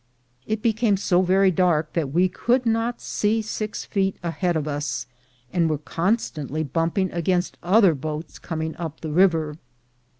It became so very dark that we could not see six feet ahead of us, and were constantly bumping against other boats coming up the river.